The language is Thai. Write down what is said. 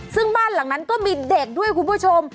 ซึ่งบ้านหลังนั้นก็มีเด็กด้วยคุณผู้ชม